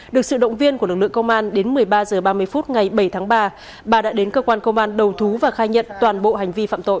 được sự động viên của lực lượng công an đến một mươi ba h ba mươi phút ngày bảy tháng ba bà đã đến cơ quan công an đầu thú và khai nhận toàn bộ hành vi phạm tội